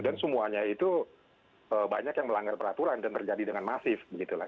dan semuanya itu banyak yang melanggar peraturan dan terjadi dengan masif begitu lah